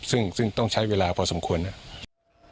ซึ่งต้องใช้เวลาพอสมควรนะครับ